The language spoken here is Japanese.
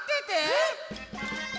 えっ！